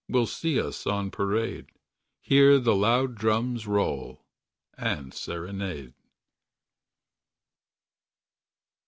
Will see us on parade. Hear the loud drums roll— And serenade.